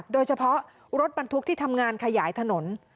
โดยเฉพาะรถบรรทุกที่ทำงานขยายถนน